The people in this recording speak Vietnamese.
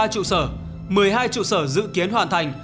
một mươi ba trụ sở một mươi hai trụ sở dự kiến hoàn thành